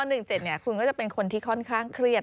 ๑๗เนี่ยคุณก็เป็นคนที่ค่อนข้างเครียด